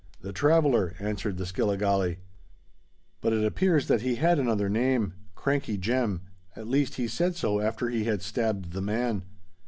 "The Traveller," answered the Skilligalee. "But, it appears, that he had another name—Crankey Jem: at least, he said so after he had stabbed the man."